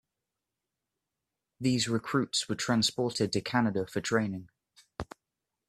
These recruits were transported to Canada for training.